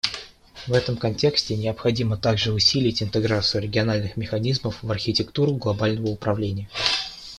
В этом контексте необходимо также усилить интеграцию региональных механизмов в архитектуру глобального управления.